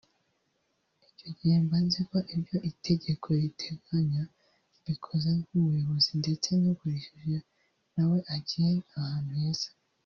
Icyo gihe mba nziko ibyo itegeko riteganya mbikoze nk’umuyobozi ndetse n’ugurishije na we agiye ahantu heza